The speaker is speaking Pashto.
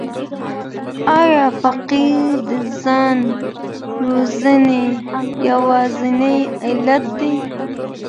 آيا فقر د ځان وژنې يوازينی علت دی؟